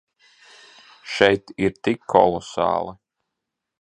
Šeit ir tik kolosāli.